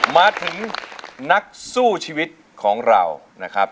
มาถึงนักสู้ชีวิตของเรานะครับ